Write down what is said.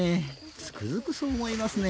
つくづくそう思いますね。